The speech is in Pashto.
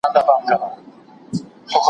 رشوت نسته.